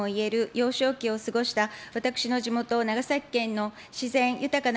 幼少期を過ごした私の地元、長崎県の自然豊かな五島列島でございます。